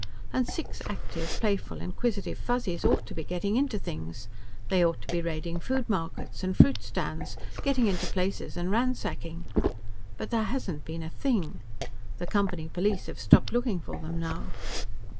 And six active, playful, inquisitive Fuzzies ought to be getting into things. They ought to be raiding food markets, and fruit stands, getting into places and ransacking. But there hasn't been a thing. The Company police have stopped looking for them now."